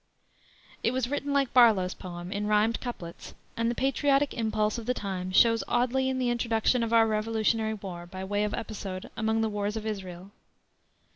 It was written like Barlow's poem, in rhymed couplets, and the patriotic impulse of the time shows oddly in the introduction of our Revolutionary War, by way of episode, among the wars of Israel.